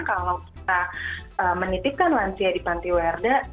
kalau kita menitipkan lansia di panti werda